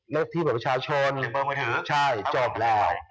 เลือกที่บอกประชาชนใช่จบแล้ว